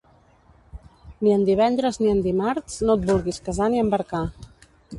Ni en divendres ni en dimarts, no et vulguis casar ni embarcar.